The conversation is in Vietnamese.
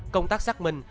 công tác xác minh